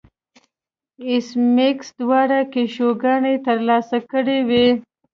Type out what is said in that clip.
ایس میکس دواړه کشوګانې ترلاسه کړې وې